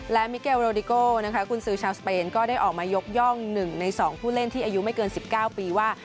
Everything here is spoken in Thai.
และมิเกลโรดิโกะนะคะคุณศูชาวสเปนก็ได้ออกมายกย่องหนึ่งในสองผู้เล่นที่อายุไม่เกินสิบเกิ้าปีว่า